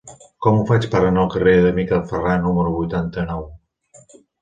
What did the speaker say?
Com ho faig per anar al carrer de Miquel Ferrà número vuitanta-nou?